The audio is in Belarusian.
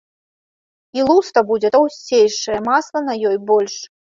І луста будзе таўсцейшая, масла на ёй больш.